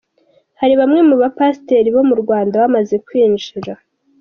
Hari bamwe mu ba pasiteri bo mu Rwanda bamaze kwinjira :